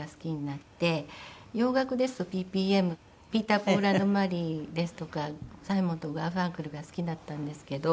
洋楽ですとＰＰＭピーター・ポール＆マリーですとかサイモン＆ガーファンクルが好きだったんですけど。